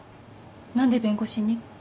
何で弁護士に？